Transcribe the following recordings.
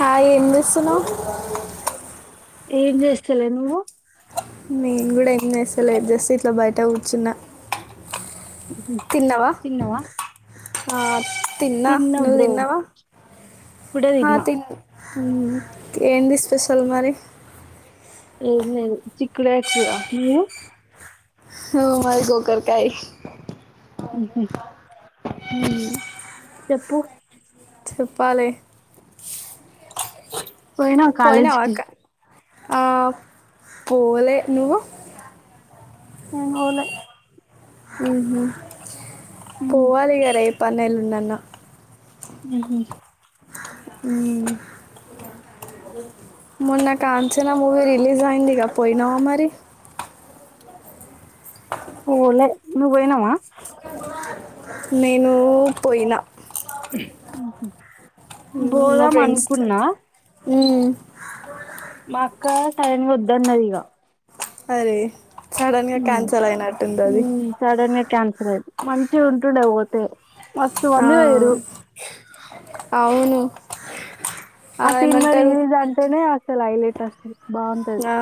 Hi ఏం చేస్తున్నవ్ ఏం జేస్తలే నువ్వు నేన్ కూడా ఏం జేస్తలేద్ జస్ట్ ఇట్ల బయట కూర్చున్నా మ్ హూ తిన్నావా తిన్నవా ఆ తిన్నా నువ్ తిన్నావా ఇప్పుడే హా తిన్నా తిన్ న్నా ఏంది స్పెషల్ మరి ఏం లేదు చిక్కుడుకాయ కూర మీరు హో మాది గోకర్కాయ్ మ్ హూ మ్మ్ చెప్పు చెప్పాలే పోయినావా పోయినవ కాలేజీకి అక్క ఆ పోలే నువ్వు నేన్ పోలే మ్ హూ ఉహు. పోవాలిగ రేపన్న ఎల్లుండన్న మ్ హూ మ్ మొన్న కాంచన మూవీ రిలీజయిందిగ పోయినావ మరి పోలే నువ్వు పోయినావా నేనూ పోయిన మ్ హు పోదామనుకున్నా మ్మ్ మా అక్క సడన్గా వద్దన్నదిగ అరే సడన్గా క్యాన్సల్ అయినట్టుందది. క్యాన్సల్ అయింది. మంచిగుంటుండే పోతే మస్తు ఆ, మంది పోయిరు అవును ఆ సినిమా రిలీజంటనే అసలు హైలెట్ అసలు బాగుంటది ఆ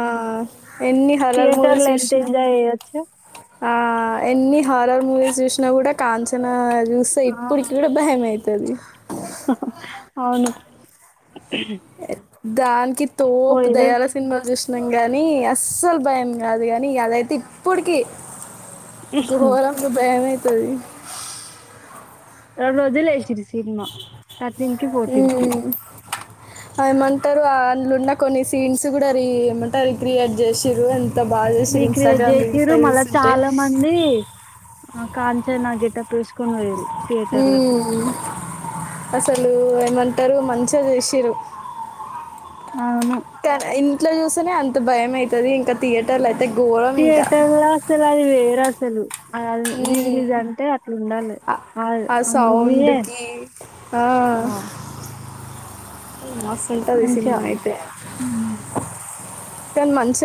ఎన్ని హార్రర్ థియేటర్ మూవీస్ లో ఎంత చూసినా ఎంజాయ్ చేయొచ్చు ఆ ఎన్ని హరర్ మూవీస్ చూసినా కూడా కాంచనా చూస్తా ఆ, ఇప్పుటికి కూడా భయం అయితది అవును దానికి తోపు పోయిరు దయాల సినిమా చు కానీ అస్సలు భయం కాదు కానీ అదైతే ఇప్పటికీ ఇప్పుడు పోవాలంటే భయం అయితది రెండు రోజులు వేసిరి సినిమా థర్టీన్ కి ఫోర్టీన్ కి ఏమంటారు అందులున్న కొన్ని సీన్స్ కూడా రీ ఏమంటారు రీ క్రియేట్ చేసిర్రు బాగా రీ చేసిర్రు క్రియేట్ ఇన్స్టాగ్రామ్ రీల్స్ చేసిరు లో మల్ల చూస్తుంటే చాలా మంది ఆ కాంచన గెటప్ వేసుకొని పోయిరు ఉమ్మ్ అసలు ఏమంటారు మంచిగా చేసిరు అవును తా ఇంట్లో చూస్తేనే అంత భయం అయితది ఇంకా థియేటర్లు థియేటర్ల అసలు అది వేరే అసలు అ మ్మ్. రీరిిలీజ్ అంటే అట్లా ఉండాలి ఆ ఆ మూవీయే ఆ మస్తు ఉంటది ఈ మంచిగా సినిమా అయితే ఉమ్. కానీ మంచిగా